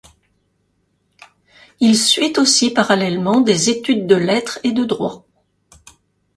Il suit aussi parallèlement des études de lettres et de droit.